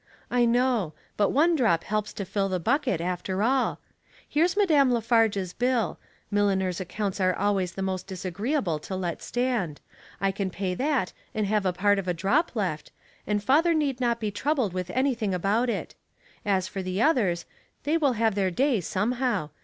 " I know ; but one drop helps to fill the buck et after all. Here's Madame La Farge's bill. Milliners' accounts are always the most disagree able to let stand. I can pay that and have a part of a drop left, and father need not be trou bled with anything about it. As for the others, they will have their day somehow.